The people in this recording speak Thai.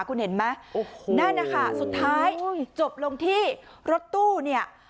คุณเห็นไหมโอ้โหนั่นนะคะสุดท้ายจบลงที่รถตู้เนี่ย